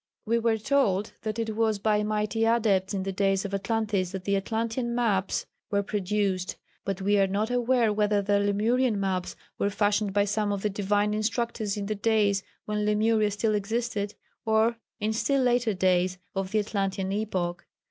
We were told that it was by mighty Adepts in the days of Atlantis that the Atlantean maps were produced, but we are not aware whether the Lemurian maps were fashioned by some of the divine instructors in the days when Lemuria still existed, or in still later days of the Atlantean epoch.